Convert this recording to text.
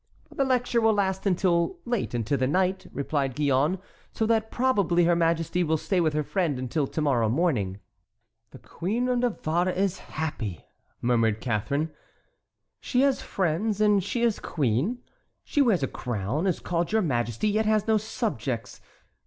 "The lecture will last until late into the night," replied Gillonne, "so that probably her majesty will stay with her friend until to morrow morning." "The Queen of Navarre is happy," murmured Catharine; "she has friends and she is queen; she wears a crown, is called your majesty, yet has no subjects.